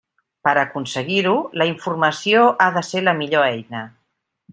Per a aconseguir-ho, la informació ha de ser la millor eina.